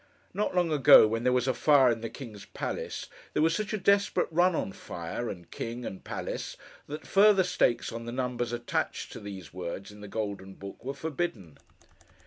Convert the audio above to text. Not long ago, when there was a fire in the King's Palace, there was such a desperate run on fire, and king, and palace, that further stakes on the numbers attached to those words in the Golden Book were forbidden.